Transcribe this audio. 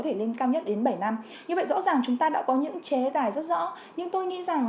thể lên cao nhất đến bảy năm như vậy rõ ràng chúng ta đã có những chế tài rất rõ nhưng tôi nghĩ rằng